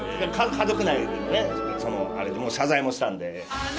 家族内でもう謝罪もしたんで。